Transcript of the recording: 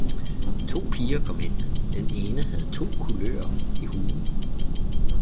To piger kom ind, den ene havde to kulører i huen